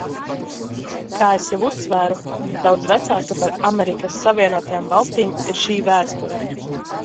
Kā es jau uzsvēru, daudz vecāka par Amerikas Savienotajām Valstīm ir šī vēsture.